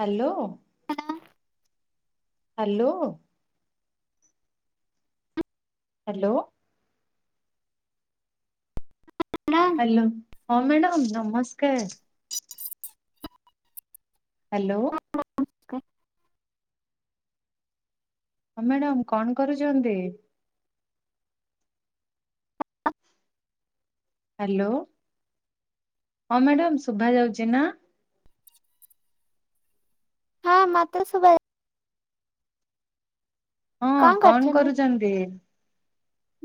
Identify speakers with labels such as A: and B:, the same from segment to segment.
A: Hello, hello, hello, hello ହଁ madam ନମସ୍କାର। Hello,
B: କୁ [inaudible]
A: ହଁ ମ୍ୟାଡ଼ାମ୍ କଣ କରୁଛନ୍ତି? ହ୍ୟାଲୋ ହଁ ମ୍ୟାଡାମ୍ ଶୁଭା ଯାଉଛି ନା?
B: ହଁ ମାତ୍ର ଶୁଭା କଣ କରୁଛନ୍ତି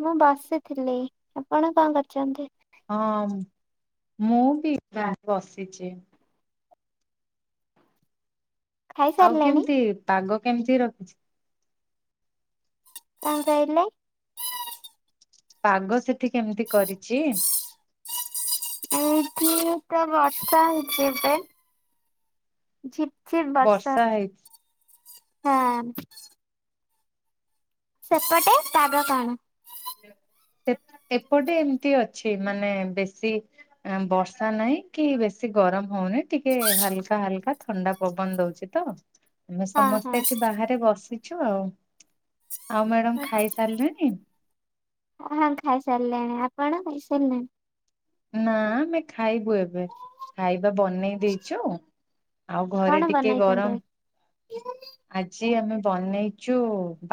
B: ମୁଁ ବସ୍ ସିଥିଲି ଆପଣ କଣ କରୁଛନ୍ତି?
A: ହଁ ମୁଁ ବି ବା ବସିଛି। ଆଉ
B: ଖାଇସାରିଲେଣି
A: କେମିତି ପାଗ କେମିତି ରଖିଛି?
B: କଣ କହିଲେ?
A: ପାଗ ସେଠି କେମିତି କରିଛି
B: ଏଇଠି ତ ବର୍ଷା ହେଇଛି ଏବେ
A: ବର୍ଷା ହେଇଛି।
B: ହଁ ସେପଟେ ପାଗ କଣ?
A: ସେ ଏପଟେ ଏମତି ଅଛି ମାନେ ବେଶୀ ବର୍ଷା ନାହିଁ କି ବେଶୀ ବେସି ଗରମ ହଉନି ଟିକେ ହାଲ୍କା ହାଲ୍କା ଥଣ୍ଡା ପବନ ଦଉଛି ତ ଆମେ
B: ହଁ ହଁ
A: ସମସ୍ତେ ଏଠି ବାହାରେ ବସିଛୁ ଆଉ। ଆଉ ମ୍ୟାଡାମ୍ ଖାଇସାରିଲେଣିି?
B: ହଁ ଖାଇସାରିଲେଣି ଆପଣ ଖାଇସାରିଲେଣି?
A: ନା ଆମେ ଖାଇବୁ ଏବେ ଖାଇବା ବନେଇ ଦେଇଚୁ। ଆଉ
B: କଣ
A: ଘରେ ଟିକେ
B: ବନେଇଛନ୍ତି ଆଜି?
A: ଗରମ ଆଜି ଆମେ ବନେଇଛୁ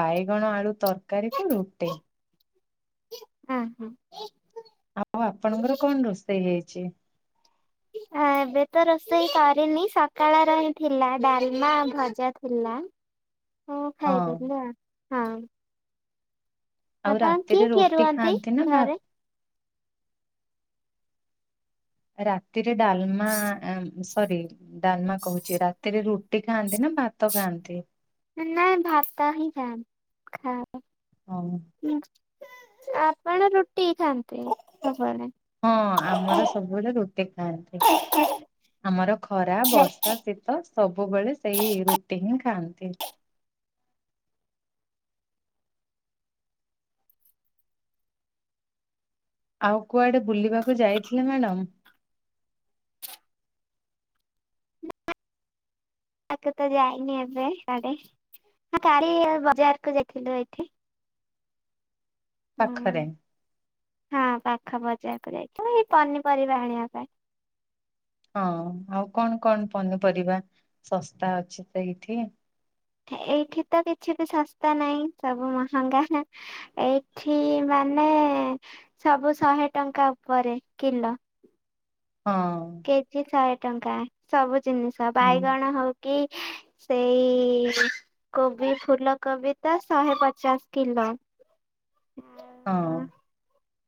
A: ବାଇଗଣ ଆଳୁ ତରକାରୀ କୁ ରୁଟି।
B: ହଁ ହଁ।
A: ଆଉ ଆପଣଙ୍କର କଣ ରୋଷେଇ ହେଇଛି?
B: ଏବେ ତ ରୋଷେଇ କରିନି ସକାଳ ର ହିଁ ଥିଲା ଡାଲମା ଭଜା ଥିଲା। ମୁଁ
A: ହଁ
B: ଖାଇଦେଲି ଆଉ ହଁ।
A: ଆଉ
B: ଆପଣ
A: ରାତିରେ
B: କିଏ କିଏ
A: ରୁଟି
B: ରୁହନ୍ତି
A: ଖାଆନ୍ତି ନା ଭା
B: ଘରେ?
A: ରାତିରେ ଡାଲମା ସରି ଡାନମା କହୁଛି ରାତିରେ ରୁଟି ଖାଆନ୍ତି ନା ଭାତ ଖାଆନ୍ତି?
B: ନାଇଁ ଭାତ ହି ଖ ଖା
A: ହଁ
B: ଆପଣ ରୁଟି ଖାଆନ୍ତି? ସବୁବେଳେ?
A: ହଁ ଆମର ସବୁବେଳେ ରୁଟି ଖାଆନ୍ତି। ଆମର ଖରା ବର୍ଷା ଶୀତ ସବୁବେଳେ ସେଇ ରୁଟି ହିଁ ଖାଆନ୍ତି। ନ୍ତି। ଆଉ କୁଆଡେ ବୁଲିବାକୁ ଯାଇଥିଲେ ମ୍ୟାଡାମ?
B: ତାକୁ ତ ଯାଇନି ଏବେ କୁଆଡେ। କାଲି ବଜାରକୁ ଯାଇଥିଲୁ ଏଠି। ହୁଁ
A: ପାଖରେ?
B: ହଁ ପାଖ ବ [unintelligible] ଏଇ ପନିପରିବା ଆଣିବା ପାଇଁ।
A: ହଁ ଆଉ କଣ କଣ ପନିପରିବା ଶସ୍ତା ଅଛି ସେଇଠି?
B: ଏଇଠି ତ କିଛି ବି ଶସ୍ତା ନାହିଁ ସବୁ ମହଙ୍ଗା। ଏଇଠି ମାନେ ସବୁ ଶହେ ଟଙ୍କା ଉପରେ କିଲୋ।
A: [inaudible] ହଁ
B: କେଜି ଶହେ ଟଙ୍କା ସବୁ ଜିନିଷ
A: ହୁଁ
B: ବାଇଗଣ ହଉ କି ସେଇ କୋବି, ଫୁଲ କୋବି ତା, ଶହେ ପଚାଶ କିଲୋ।
A: ହଁ।
B: ଆଉ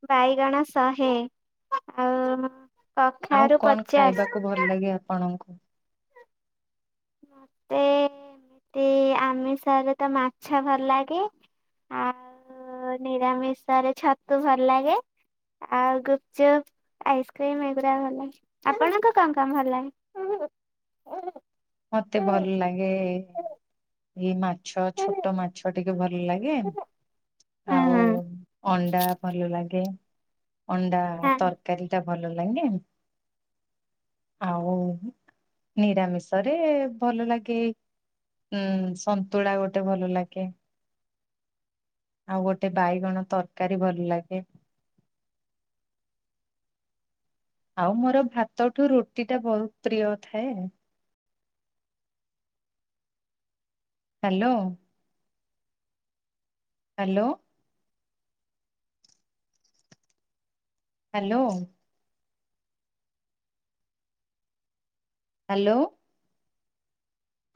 B: ବାଇଗଣ ଶହେ। ଆଉ
A: ଆଉ
B: କଖାରୁ
A: କଣ
B: ପଚାଶ।
A: ଖାଇବାକୁ ଭଲ ଲାଗେ ଆପଣଙ୍କୁ?
B: ମତେ ଏମିତି ଆମିଷରେ ତ ମାଛ ଭଲ ଲାଗେ। ଆଉ ନିରାମିଷରେ ଛତୁ ଭଲ ଲାଗେ। ଆଉ ଗୁପଚୁପ ଆଇସ୍କ୍ରିମ ଏଗୁଡା ଭଲ ଲାଗେ। ଆପଣଙ୍କୁ କଣ କଣ ଭଲ ଲାଗେ?
A: ମତେ
B: ହଁ
A: ଭଲ ଲାଗେ ଏଇ ମାଛ ଛୋଟ ମାଛ ଟିକେ ଭଲ ଭଲ ଲାଗେ ଆଉ
B: ହଁ
A: ଅଣ୍ଡା ଭଲ ଲାଗେ। ଅଣ୍ଡା ତରକାରୀ ତ ଭଲ ଲାଗେ। ଆଉ ନିରାମିଷ ରେ ଭଲ ଲାଗେ ଉଁ ସନ୍ତୁଳା ଗୋଟେ ଭଲ ଲାଗେ। ଆଉ ଗୋଟେ ବାଇଗଣ ତରକାରୀ ଭଲ ଲାଗେ। ଆଉ ମୋର ଭାତଠୁ ରୁଟି ଟା ବହୁତ ପ୍ରିୟ ଥାଏ। Hello hello. Hello. Hello.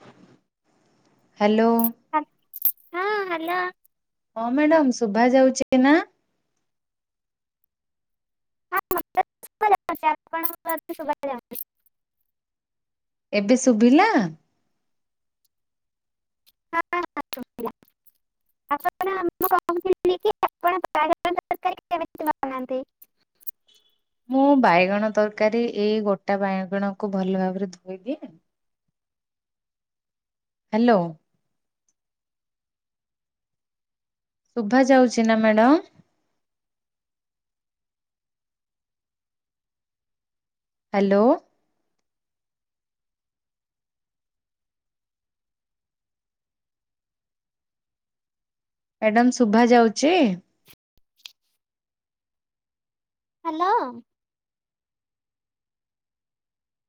A: [inaudible] Hello.
B: ହଁ ହାଲୋ।
A: ହଁ ମ୍ୟାଡାମ ଶୁଭା ଯାଉଛେ ନା?
B: [unintelligible] ଆପଣ ଙ୍କ କଥା ଶୁଭା ଯାଉନି।
A: ଏବେ ଶୁଭିଲା।
B: ହଁ ହ ଶୁଭିଲା। ଆପଣଁ କହୁଥିଲ କି ଆପଣ ବାହାଘରକାର। [inaudible] କେନାହାନ୍ତି [inaudible]
A: ମୁଁ ବାଇଗଣ ତରକାରୀ, ଏଇ ଗୋଟା ବାଇଗଣକୁ ଭଲ ଭାବରେ ଧୋଇଦିଏ। ହାଲୋ। ଶୁଭା ଯାଉଛି ନା ମ୍ୟାଡାମ? ହାଲୋ। ମ୍ୟାଡାମ ଶୁଭା ଯାଉଚି?
B: ହ୍ୟାଲୋ।